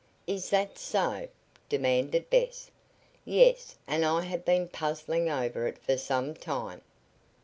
"Is that so?" demanded Bess. "Yes, and I have been puzzling over it for some time."